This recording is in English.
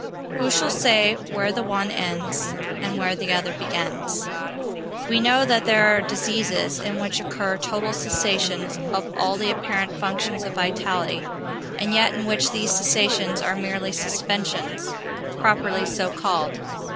Who shall say where the one ends, and where the other begins? We know that there are diseases in which occur total cessations of all the apparent functions of vitality, and yet in which these cessations are merely suspensions, properly so called.